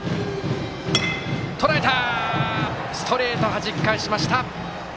ストレートはじき返しました。